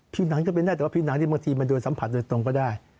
หนังก็เป็นได้แต่ว่าผิวหนังที่บางทีมันโดยสัมผัสโดยตรงก็ได้